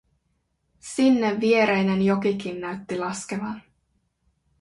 Sinne viereinen jokikin näytti laskevan.